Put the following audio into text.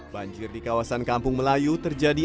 banjir di kawasan kampung melayu terjadi